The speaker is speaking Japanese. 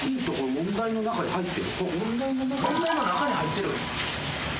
問題の中に入ってる？